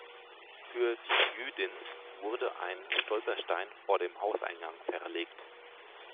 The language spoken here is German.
Für die Jüdin wurde ein Stolperstein vor dem Hauseingang verlegt.